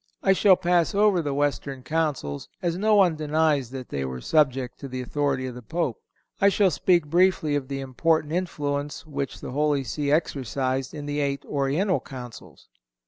I shall pass over the Western Councils, as no one denies that they were subject to the authority of the Pope. I shall speak briefly of the important influence which the Holy See exercised in the eight Oriental Councils.